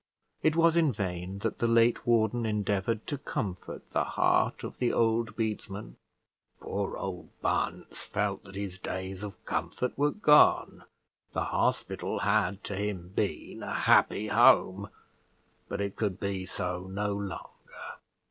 It was in vain that the late warden endeavoured to comfort the heart of the old bedesman; poor old Bunce felt that his days of comfort were gone. The hospital had to him been a happy home, but it could be so no longer.